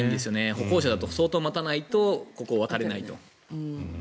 歩行者だと相当待たないとここを渡れないと。